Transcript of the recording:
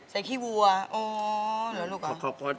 ใส่ขี้บัวอ๋อหรือลูกอ๋อ